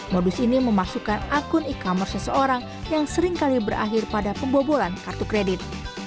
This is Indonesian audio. modus ini memasukkan akun e commerce seseorang yang seringkali berakhir pada pembobolan kartu kredit